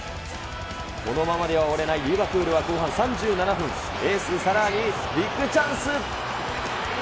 このままでは終われないリバプールは後半３７分、エース、サラにビッグチャンス。